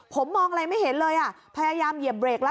ผมมองอะไรไม่เห็นเลยอ่ะพยายามเหยียบเบรกแล้ว